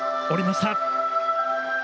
降りました。